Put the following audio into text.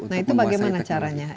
nah itu bagaimana caranya